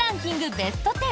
ベスト１０。